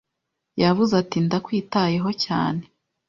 Yavuze ati: "Ndakwitayeho cyane."